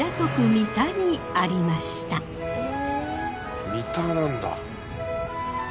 三田なんだ。